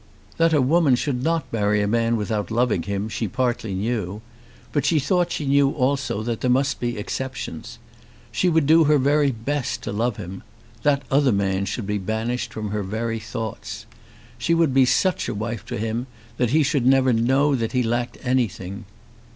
That a woman should not marry a man without loving him, she partly knew. But she thought she knew also that there must be exceptions. She would do her very best to love him. That other man should be banished from her very thoughts. She would be such a wife to him that he should never know that he lacked anything.